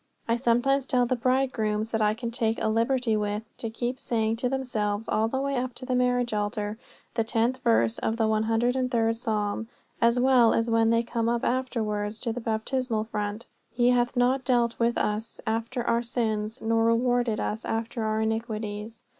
I sometimes tell the bridegrooms that I can take a liberty with to keep saying to themselves all the way up to the marriage altar the tenth verse of the 103rd psalm; as well as when they come up afterwards to the baptismal font: "He hath not dealt with us after our sins nor rewarded us after our iniquities."